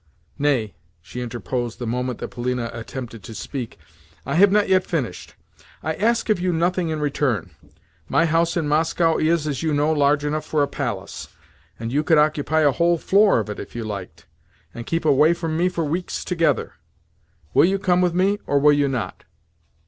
Nay," she interposed, the moment that Polina attempted to speak, "I have not yet finished. I ask of you nothing in return. My house in Moscow is, as you know, large enough for a palace, and you could occupy a whole floor of it if you liked, and keep away from me for weeks together. Will you come with me or will you not?"